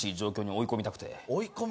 「追い込みたくて」？